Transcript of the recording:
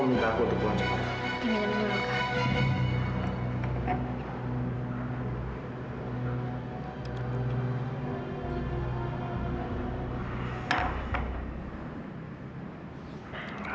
diminumin dulu kak